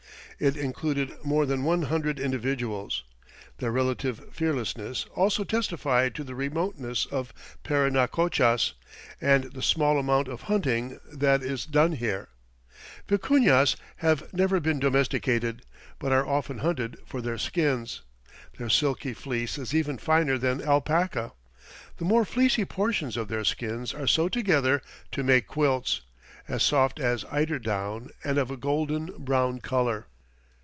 It included more than one hundred individuals. Their relative fearlessness also testified to the remoteness of Parinacochas and the small amount of hunting that is done here. Vicuñas have never been domesticated, but are often hunted for their skins. Their silky fleece is even finer than alpaca. The more fleecy portions of their skins are sewed together to make quilts, as soft as eider down and of a golden brown color.